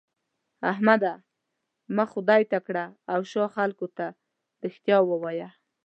احمده! مخ خدای ته کړه او شا خلګو ته؛ رښتيا ووايه.